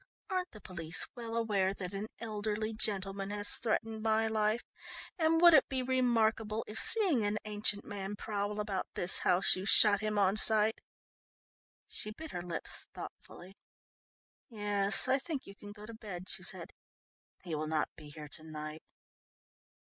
"Aren't the police well aware that an elderly gentleman has threatened my life, and would it be remarkable if seeing an ancient man prowl about this house you shot him on sight?" She bit her lips thoughtfully. "Yes, I think you can go to bed," she said. "He will not be here to night.